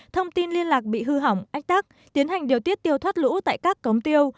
thông tin liên lạc bị hư hỏng ách tắc tiến hành điều tiết tiêu thoát lũ tại các cống tiêu